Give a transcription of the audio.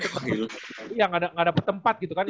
iya gak dapet tempat gitu kan